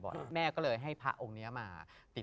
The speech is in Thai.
พี่ยังไม่ได้เลิกแต่พี่ยังไม่ได้เลิก